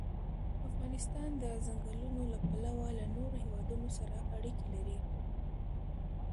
افغانستان د ځنګلونه له پلوه له نورو هېوادونو سره اړیکې لري.